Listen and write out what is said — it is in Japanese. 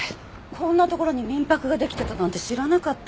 こんな所に民泊ができてたなんて知らなかった。